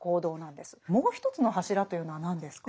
もう一つの柱というのは何ですか？